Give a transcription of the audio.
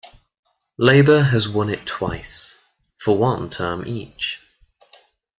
Labor has won it twice, for one term each.